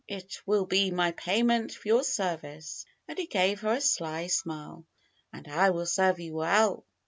It will be my payment for your service," and he gave her a sly smile. '^And I will serve you well